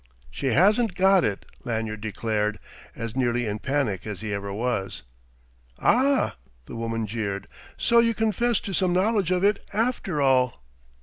"She hasn't got it!" Lanyard declared, as nearly in panic as he ever was. "Ah!" the woman jeered. "So you confess to some knowledge of it after all!"